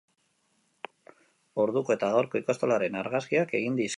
Orduko eta gaurko ikastolaren argazkiak egin dizkigu.